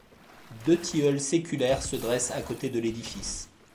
Deux tilleuls séculaires se dressent à côté de l'édifice.